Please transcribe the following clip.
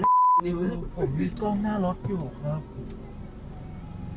นิ้วผมมีกล้องหน้ารถอยู่ครับ